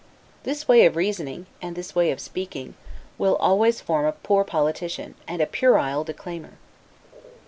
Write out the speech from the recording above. This way of reasoning, and this way of speaking, will always form a poor politician, and a puerile declaimer.